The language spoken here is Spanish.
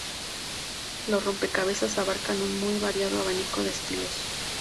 Los rompecabezas abarcan un muy variado abanico de estilos.